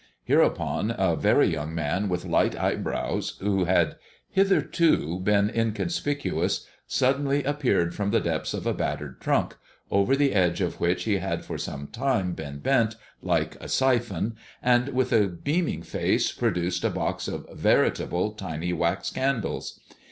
Hereupon a very young man with light eyebrows, who had hitherto been inconspicuous, suddenly appeared from the depths of a battered trunk, over the edge of which he had for some time been bent like a siphon, and with a beaming face produced a box of veritable, tiny wax candles!